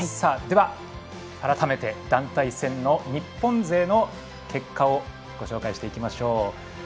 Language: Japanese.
では改めて団体戦の日本勢の結果をご紹介していきましょう。